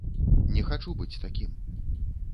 Не хачу быць такім.